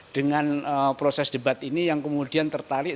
dengan proses debat ini yang kemudian tertarik